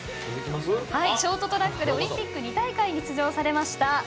ショートトラックでオリンピック２大会に出場されました